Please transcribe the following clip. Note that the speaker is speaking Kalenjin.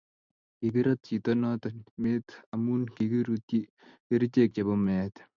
kikirat chitok notok meet amu kikirutyi kerichek chepo meet